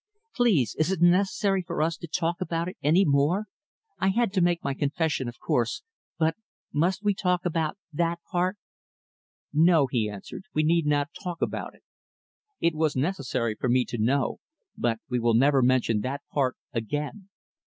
Please, is it necessary for us to talk about it any more? I had to make my confession of course, but must we talk about that part?" "No," he answered, "we need not talk about it. It was necessary for me to know; but we will never mention that part, again.